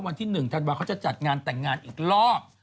วันที่๑ธันวาเขาจะจัดงานแต่งงานอีกรอบ